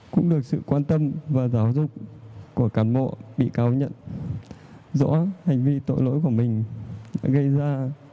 cũng được sự quan tâm và giáo dục của cán bộ bị cáo nhận rõ hành vi tội lỗi của mình gây ra